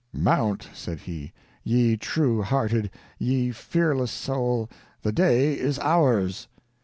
"Mount," said he, "ye true hearted, ye fearless soul the day is ours."